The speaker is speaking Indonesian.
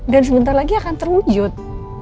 dan sebentar lagi akan terwujud